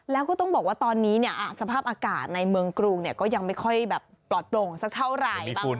แล้วก็ต้องบอกว่าตอนนี้เนี่ยสภาพอากาศในเมืองกรุงก็ยังไม่ค่อยแบบปลอดโปร่งสักเท่าไหร่